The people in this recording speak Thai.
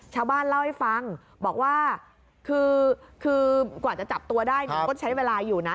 ชาวบ้านเล่าให้ฟังบอกว่าคือกว่าจะจับตัวได้เนี่ยก็ใช้เวลาอยู่นะ